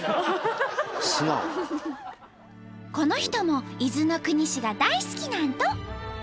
この人も伊豆の国市が大好きなんと！